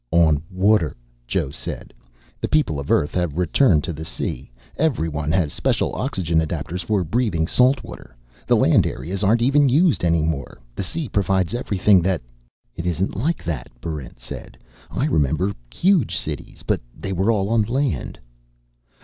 "On water," Joe said. "The people of Earth have returned to the sea. Everyone has special oxygen adaptors for breathing salt water. The land areas aren't even used any more. The sea provides everything that " "It isn't like that," Barrent said. "I remember huge cities, but they were all on land."